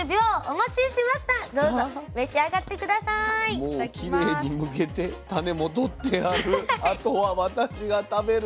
もうきれいにむけて種も取ってある。